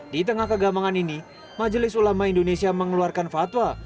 di tengah kegambangan ini majelis ulama indonesia mengeluarkan fatwa